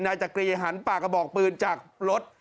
จักรีหันปากกระบอกปืนจากรถ